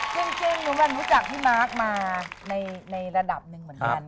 จริงเหมือนกันรู้จักพี่มาร์คมาในระดับหนึ่งเหมือนกัน